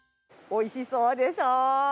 おいしそうでしょ？